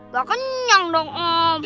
gak kenyang dong om